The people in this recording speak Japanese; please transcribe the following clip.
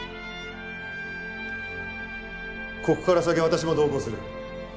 ここから先は私も同行する。